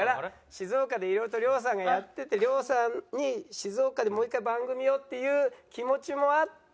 静岡で色々と亮さんがやってて亮さんに静岡でもう一回番組をっていう気持ちもあって。